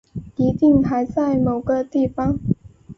一定还在某个地方